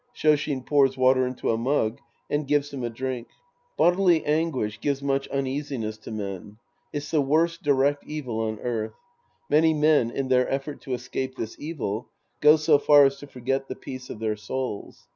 (ShSshin fours water into a mug and gives him a drink.) Bodily anguish gives much uneasiness to men. It's the worst direct evil on earth. Many men, in their effort to escape this evil, go so far as to forget the peace of their souls.